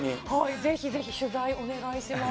ぜひぜひ、取材お願いします。